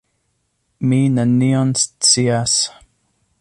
Mi nenion scias.